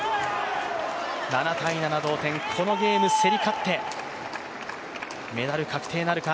このゲーム競り勝ってメダル確定なるか。